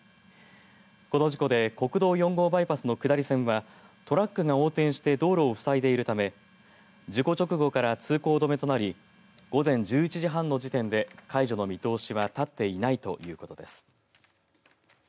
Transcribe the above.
この事故で国道４号バイパスの下り線はトラックが横転して道路を塞いでいるため事故直後から通行止めとなり午前１１時半の時点で解除の見通しは立っていないということです。